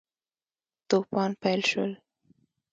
توپان پیل شو.